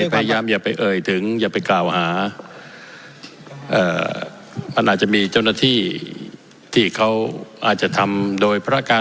พยายามอย่าไปเอ่ยถึงอย่าไปกล่าวหามันอาจจะมีเจ้าหน้าที่ที่เขาอาจจะทำโดยพระการ